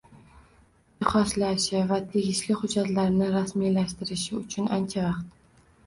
jihozlashi va tegishli xujjatlarni rasmiylashtirishi uchun ancha vaqt